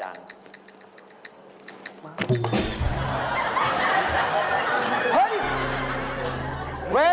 มันนี่มิยุมนี่หรือ